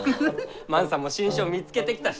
万さんも新種を見つけてきたし！